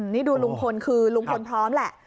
นี่ดูลุงพลคือลุงพลพร้อมแหละ